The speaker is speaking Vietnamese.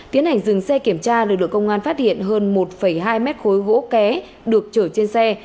tiến hành dừng xe kiểm tra lực lượng công an phát hiện hơn một hai mét khối gỗ ké được chở trên xe